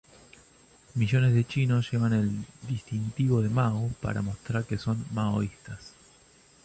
Millones de chinos llevan el distintivo de Mao para mostrar que son maoístas.